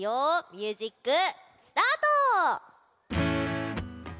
ミュージックスタート！